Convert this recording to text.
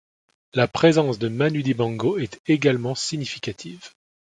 La présence de Manu Dibango est également significative.